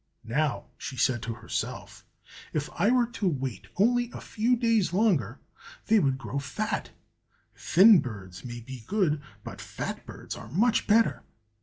"Now," she said to herself, "if I were to wait only a few days longer, they would grow fat. Thin birds may be good, but fat birds are much better.